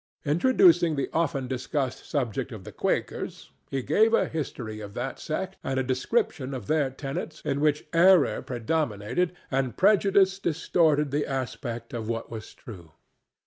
Introducing the often discussed subject of the Quakers, he gave a history of that sect and a description of their tenets in which error predominated and prejudice distorted the aspect of what was true.